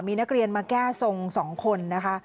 มีนักเรียนมาแก้ทรง๒คนนะคะ